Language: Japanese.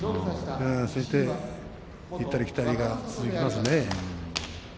そして行ったり来たりが続きますね。